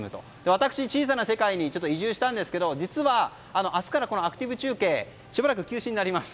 私、小さな世界に移住したんですけど実は、明日からこのアクティブ中継しばらく休止になります。